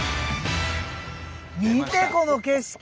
見てこの景色。